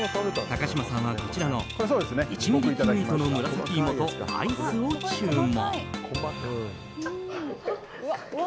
高嶋さんは、こちらの１ｍｍの絹糸の紫芋とアイスを注文。